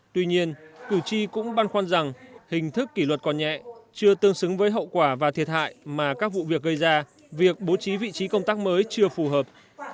tuy nhiên cử tri cũng băn khoăn rằng hình thức kỷ luật còn nhẹ chưa tương xứng với hậu quả và thiệt hại mà các vụ việc gây ra việc bố trí vị trí công tác mới chưa phù hợp